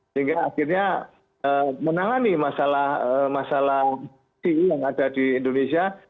sehingga akhirnya menangani masalah ce yang ada di indonesia